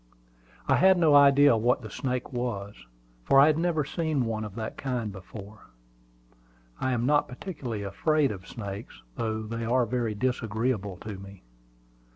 I had no idea what the snake was, for I had never seen one of that kind before. I am not particularly afraid of snakes, though they are very disagreeable to me.